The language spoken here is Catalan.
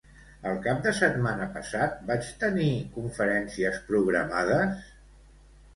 El cap de setmana passat vaig tenir conferències programades?